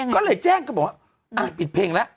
ก็เลยแจ้งก็บอกว่าปิดเพลงแล้ว